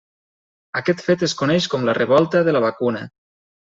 Aquest fet es coneix com la Revolta de la Vacuna.